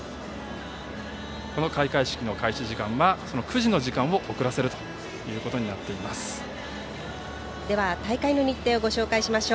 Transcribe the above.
この開会式の開始時間は９時の時間を遅らせるということになっています。